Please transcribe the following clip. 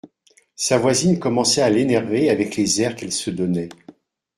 sa voisine commençait à l’énerver avec les airs qu’elle se donnait.